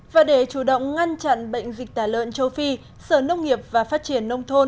và để chủ động ngăn chặn bệnh dịch tả lợn châu phi sở nông nghiệp và phát triển nông thôn